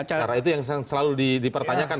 karena itu yang selalu dipertanyakan